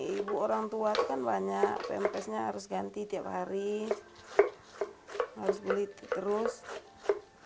ibu orang tua kan banyak pmp nya harus ganti tiap hari harus beli terus harus kerja